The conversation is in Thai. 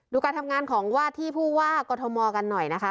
การทำงานของว่าที่ผู้ว่ากรทมกันหน่อยนะคะ